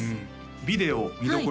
ビデオ見どころ